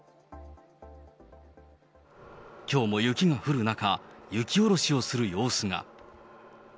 きょうも雪が降る中、雪降ろしをする様子が。